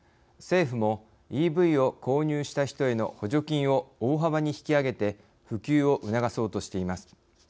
政府もＥＶを購入した人への補助金を大幅に引き上げて普及を促そうとしています。